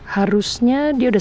harusnya dia sudah